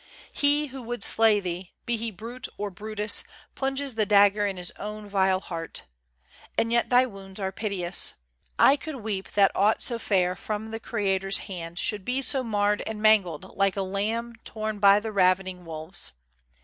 He who would slay thee, be he brute or Brutus, Plunges the dagger in his own vile heart. And yet thy wounds are piteous. I could weep That aught so fair from the Creator's hand Should be so marred and mangled, like a lamb Torn by the ravening wolves.